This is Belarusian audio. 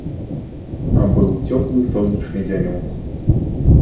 Быў цёплы сонечны дзянёк.